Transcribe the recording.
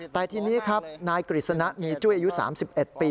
แต่ทีนี้ครับนายกฤษณะมีจุ้ยอายุ๓๑ปี